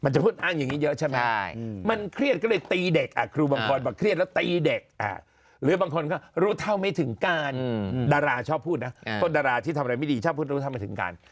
ชอบพูดนะคนดราที่ทำอะไรไม่ดีชอบพูดเรื่องที่ทำมาถึงการ